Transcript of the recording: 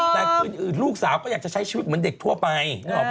แต่คืนอื่นลูกสาวก็อยากจะใช้ชีวิตเหมือนเด็กทั่วไปนึกออกป